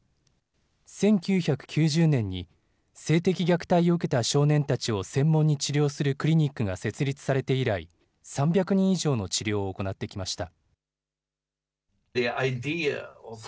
１９９０年に性的虐待を受けた少年たちを専門に治療するクリニックが設立されて以来、３００人以上の治療を行ってきました。